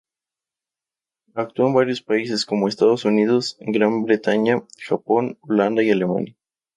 Actuó en varios países, como Estados Unidos, Gran Bretaña, Japón, Holanda y Alemania.